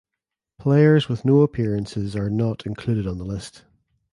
Players with no appearances are not included on the list.